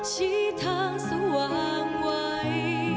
ชี้ทางสว่างไว้